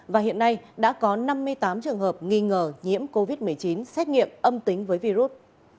và hiện nay đã có năm mươi tám trường hợp nghi ngờ nhiễm covid một mươi chín xét nghiệm âm tính với virus